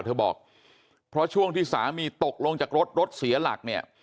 เธอบอกเพราะช่วงที่สามีตกลงจากรถรถเสียหลักเนี่ย